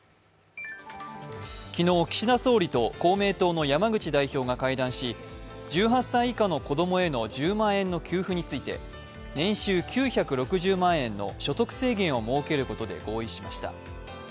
昨日岸田総理と公明党の山口代表が会談し１８歳以下の子供への１０万円の給付について年収９６０万円の所得制限を設けることで合意しました。